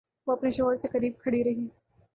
وہ اپنے شوہر سے قریب کھڑی رہی۔